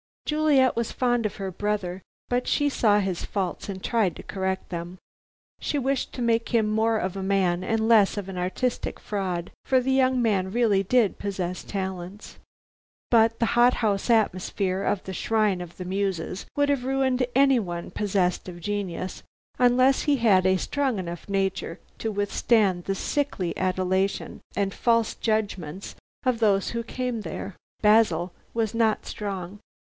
Juliet was fond of her brother, but she saw his faults and tried to correct them. She wished to make him more of a man and less of an artistic fraud, for the young man really did possess talents. But the hothouse atmosphere of "The Shrine of the Muses!" would have ruined anyone possessed of genius, unless he had a strong enough nature to withstand the sickly adulation and false judgments of those who came there. Basil was not strong.